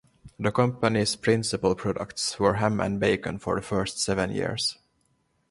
The company's principal products were ham and bacon for the first seven years.